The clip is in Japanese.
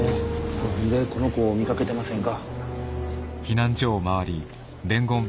この辺でこの子見かけてませんか？